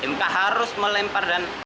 mk harus melempar dan